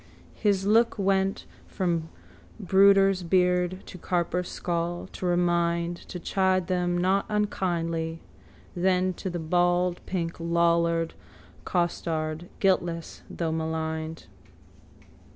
His look went from brooder's beard to carper's skull, to remind, to chide them not unkindly, then to the baldpink lollard costard, guiltless though maligned.